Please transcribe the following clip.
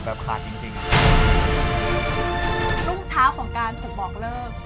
รุ่งเช้าของการถูกบอกเลิก